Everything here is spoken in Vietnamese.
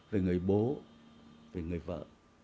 về người bố về người vợ